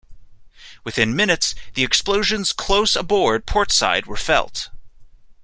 Within minutes, the explosions, close aboard portside, were felt.